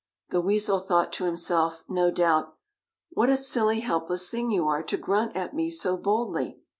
The weasel thought to himself, no doubt, what a silly, helpless thing you are to grunt at me so boldly.